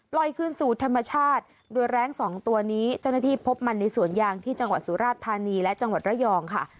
คืนสู่ธรรมชาติโดยแรงสองตัวนี้เจ้าหน้าที่พบมันในสวนยางที่จังหวัดสุราชธานีและจังหวัดระยองค่ะ